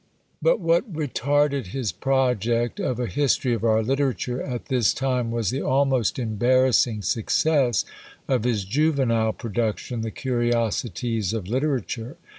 " But what retarded his project of a History of our Literature at this time was the almost embarrassing success of his juvenile production, "The Curiosities of Literature."